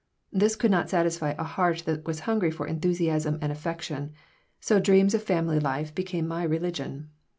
This could not satisfy a heart that was hungry for enthusiasm and affection, so dreams of family life became my religion.